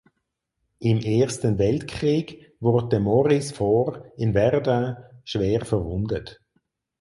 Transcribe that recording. Im Ersten Weltkrieg wurde Maurice Faure in Verdun schwer verwundet.